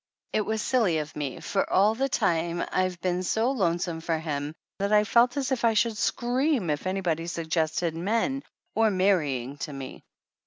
"It was silly of me, for all the time I've been so lonesome for him that I felt as if I should scream if anybody suggested men or marrying to me